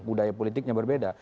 dan budaya politiknya berbeda